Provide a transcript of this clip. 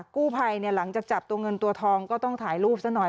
กู้ภัยหลังจากจับตัวเงินตัวทองก็ต้องถ่ายรูปซะหน่อย